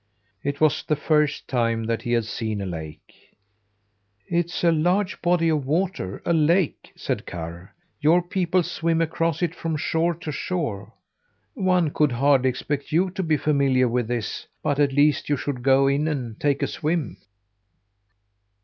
It was the first time that he had seen a lake. "It's a large body of water a lake," said Karr. "Your people swim across it from shore to shore. One could hardly expect you to be familiar with this; but at least you should go in and take a swim!"